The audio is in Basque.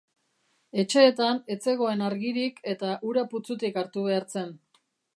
Etxeetan ez zegoen argirik eta ura putzutik hartu behar zen.